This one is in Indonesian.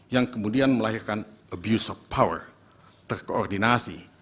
yang kemudian melahirkan abuse of power terkoordinasi